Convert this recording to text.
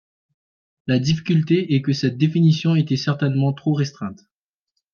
La difficulté est que cette définition était certainement trop restreinte.